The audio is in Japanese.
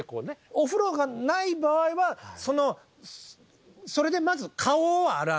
お風呂がない場合はそのそれでまず顔を洗う。